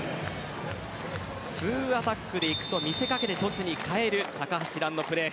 ツーアタックでいくと見せかけてトスに変える高橋藍のプレー。